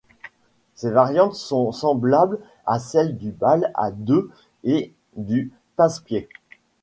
Ces variantes sont semblables à celles du bal à deux et du passepied.